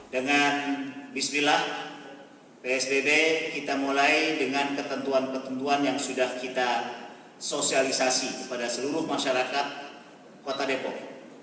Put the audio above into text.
dengan bismillah psbb kita mulai dengan ketentuan ketentuan yang sudah kita sosialisasi kepada seluruh masyarakat kota depok